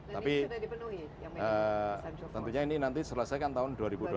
tapi tentunya ini nanti selesaikan tahun dua ribu dua puluh